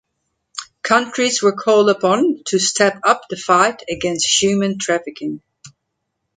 Countries were called upon to step up the fight against human trafficking.